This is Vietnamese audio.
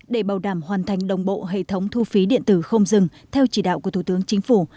để bảo đảm hoàn thành đồng bộ hệ thống thu phí điện tử không dừng theo chỉ đạo của thủ tướng chính phủ